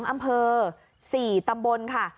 ๓อำเภอ๔ตำบลค่ะ